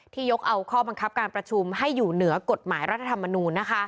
ยกเอาข้อบังคับการประชุมให้อยู่เหนือกฎหมายรัฐธรรมนูล